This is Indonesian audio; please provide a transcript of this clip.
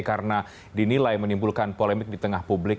karena dinilai menimbulkan polemik di tengah publik